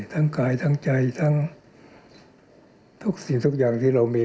ทั้งกายทั้งใจทั้งทุกสิ่งทุกอย่างที่เรามี